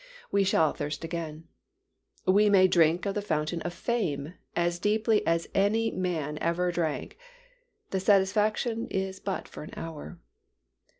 We shall thirst again. We may drink of the fountain of fame as deeply as any man ever drank, the satisfaction is but for an hour.